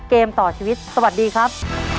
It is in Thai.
เกมต่อชีวิตสวัสดีครับ